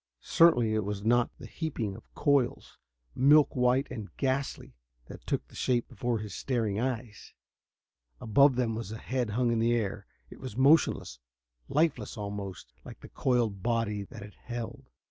Certainly it was not the heaping of coils, milk white and ghastly, that took shape before his staring eyes. Above them a head hung in air. It was motionless lifeless, almost like the coiled body that held it.